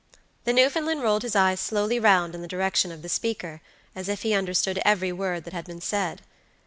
The Newfoundland rolled his eyes slowly round in the direction of the speaker, as if he understood every word that had been said.